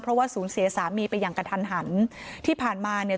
เพราะว่าสูญเสียสามีไปอย่างกระทันหันที่ผ่านมาเนี่ย